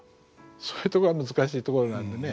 そういうとこが難しいところなんでね。